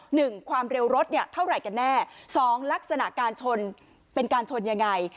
หนึ่งความเร็วรถเนี่ยเท่าไหร่กันแน่สองลักษณะการชนเป็นการชนยังไง